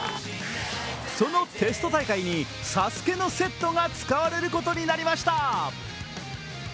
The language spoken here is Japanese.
そのテスト大会に「ＳＡＳＵＫＥ」のセットが使われることになりました。